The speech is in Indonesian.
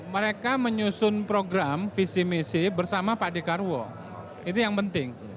mereka menyusun program visi misi bersama pak dekarwo itu yang penting